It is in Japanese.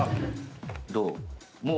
どう？